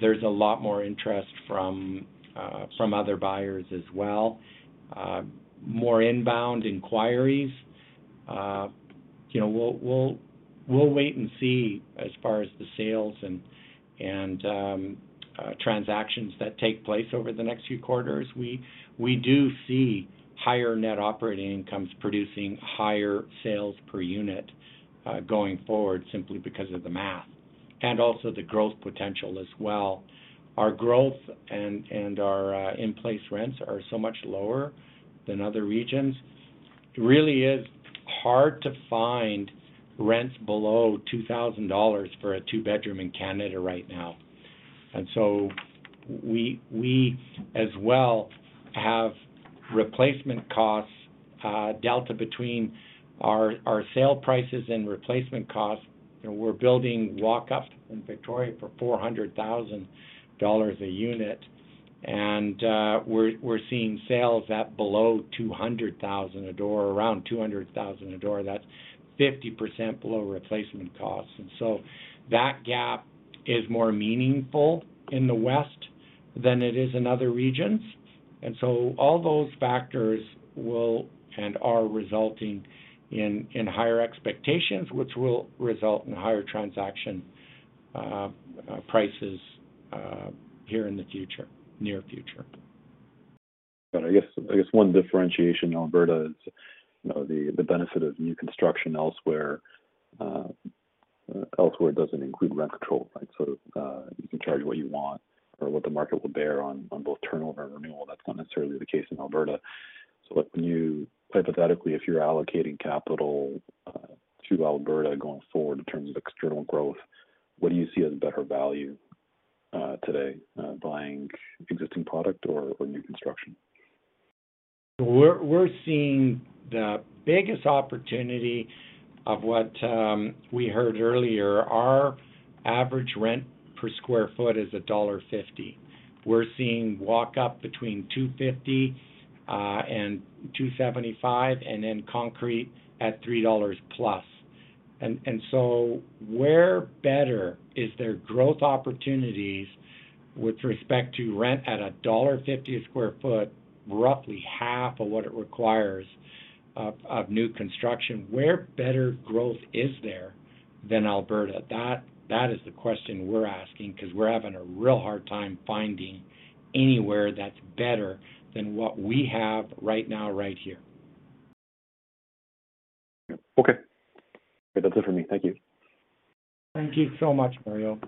there's a lot more interest from other buyers as well. More inbound inquiries. You know, we'll wait and see as far as the sales and transactions that take place over the next few quarters. We do see higher net operating incomes producing higher sales per unit going forward simply because of the math and also the growth potential as well. Our growth and our in-place rents are so much lower than other regions. It really is hard to find rents below 2,000 dollars for a two-bedroom in Canada right now. We, as well, have replacement costs delta between our sale prices and replacement costs. You know, we're building walk-ups in Victoria for 400,000 dollars a unit, and we're seeing sales at below 200,000 a door or around 200,000 a door. That's 50% below replacement costs. That gap is more meaningful in the West than it is in other regions. All those factors will and are resulting in higher expectations, which will result in higher transaction prices here in the future, near future. I guess one differentiation, Alberta is, you know, the benefit of new construction elsewhere doesn't include rent control, right? You can charge what you want or what the market will bear on both turnover and renewal. That's not necessarily the case in Alberta. When hypothetically, if you're allocating capital to Alberta going forward in terms of external growth, what do you see as a better value today, buying existing product or new construction? We're seeing the biggest opportunity of what we heard earlier. Our average rent per square foot is $1.50. We're seeing walk-up between $2.50 and $2.75, then concrete at $3.00 plus. Where better is there growth opportunities with respect to rent at $1.50 a square foot, roughly half of what it requires of new construction, where better growth is there than Alberta? That is the question we're asking because we're having a real hard time finding anywhere that's better than what we have right now, right here. Okay. That's it for me. Thank you. Thank you so much, Mario.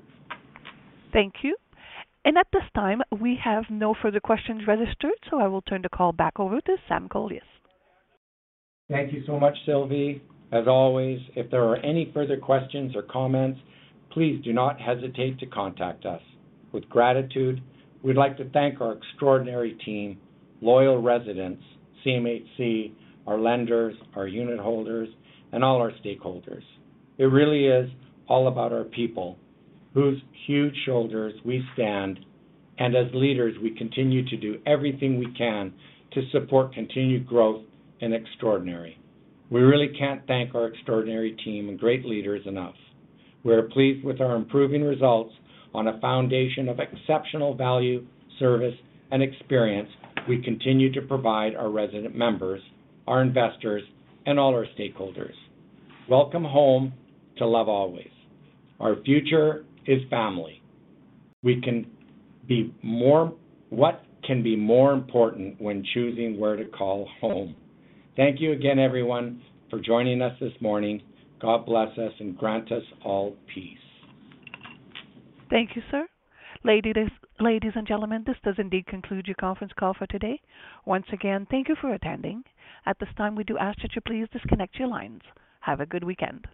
Thank you. At this time, we have no further questions registered, so I will turn the call back over to Sam Kolias. Thank you so much, Sylvie. As always, if there are any further questions or comments, please do not hesitate to contact us. With gratitude, we'd like to thank our extraordinary team, loyal residents, CMHC, our lenders, our unitholders, and all our stakeholders. It really is all about our people whose huge shoulders we stand. As leaders, we continue to do everything we can to support continued growth and extraordinary. We really can't thank our extraordinary team and great leaders enough. We are pleased with our improving results. On a foundation of exceptional value, service, and experience, we continue to provide our resident members, our investors, and all our stakeholders. Welcome home to Love Always. Our future is family. What can be more important when choosing where to call home? Thank you again, everyone, for joining us this morning. God bless us and grant us all peace. Thank you, sir. Ladies and gentlemen, this does indeed conclude your conference call for today. Once again, thank you for attending. At this time, we do ask that you please disconnect your lines. Have a good weekend.